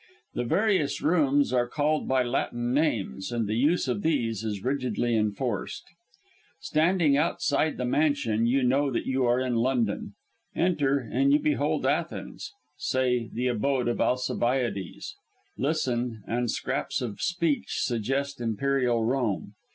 The various rooms are called by Latin names, and the use of these is rigidly enforced. Standing outside the mansion, you know that you are in London; enter, and you behold Athens say, the abode of Alcibiades; listen, and scraps of speech suggest Imperial Rome.